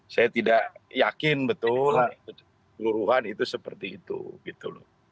saya tidak yakin betul seluruhan itu seperti itu gitu loh